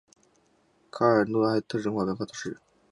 卡尔诺埃特人口变化图示